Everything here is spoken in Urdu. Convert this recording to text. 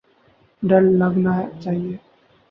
ڈر لگنا چاہیے۔